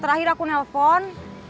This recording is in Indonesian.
terakhir aku nelfon